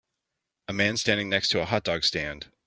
A man standing next to a hotdog stand.